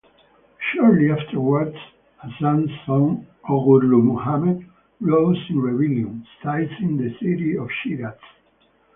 Shortly afterwards, Hassan's son Ogurlu Mohamed, rose in rebellion, seizing the city of Shiraz.